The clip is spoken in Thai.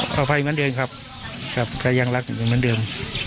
ขออภัยเหมือนเดิมครับครับก็ยังรักอยู่เหมือนเดิม